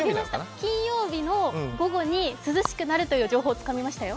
金曜日の午後に涼しくなるという情報、つかみましたよ。